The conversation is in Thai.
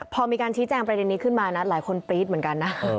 พอมีการชี้แจงประเด็นนี้ขึ้นมานะหลายคนปรี๊ดเหมือนกันนะ